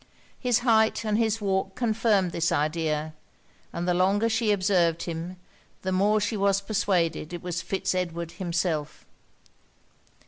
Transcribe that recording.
His height and his walk confirmed this idea; and the longer she observed him, the more she was persuaded it was Fitz Edward himself.